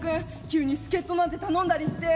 急に助っ人なんて頼んだりして。